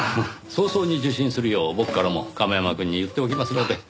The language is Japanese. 早々に受診するよう僕からも亀山くんに言っておきますので。